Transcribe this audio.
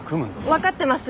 分かってます。